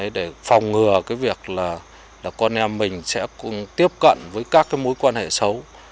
để phòng ngừa cái việc là con em mình sẽ tiếp cận với các mối quan hệ xấu